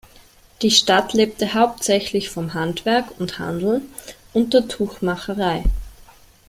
Die Stadt lebte hauptsächlich vom Handwerk und Handel und der Tuchmacherei.